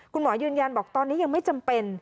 คุณหมอยืนยันบอกตอนนี้ยังไม่จำเป็น